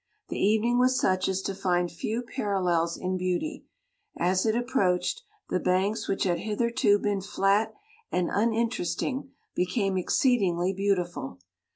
The evening was such as to find few parallels in beauty ; as it approached, the banks which had hitherto been flat and uninteresting, became exceed ingly beautiful.